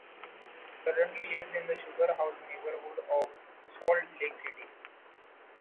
She currently lives in the Sugar House neighborhood of Salt Lake City.